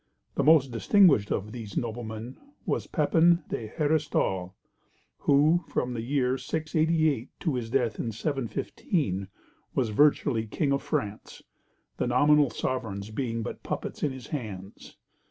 The most distinguished of these noblemen was Pepin d'Héristal, who, from the year 688 to his death in 715, was virtually king of France the nominal sovereigns being but puppets in his hands.